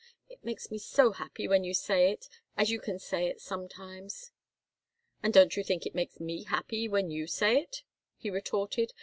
It makes me so happy when you say it, as you can say it sometimes." "And don't you think it makes me happy when you say it?" he retorted.